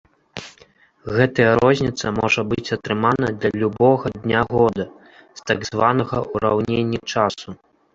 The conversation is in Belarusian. Гэтая розніца можа быць атрымана для любога дня года з так званага ўраўненні часу.